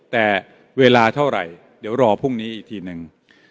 แต่เวลาเท่าไหร่เดี๋ยวรอพรุ่งนี้อีกทีหนึ่ง